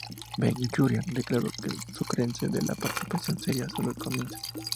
Ben-Gurión declaró su creencia de que la partición sería sólo el comienzo.